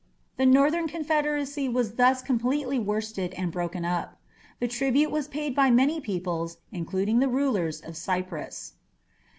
The northern confederacy was thus completely worsted and broken up. Tribute was paid by many peoples, including the rulers of Cyprus.